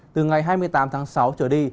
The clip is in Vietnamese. từ ngày hai mươi tám tháng sáu trở đi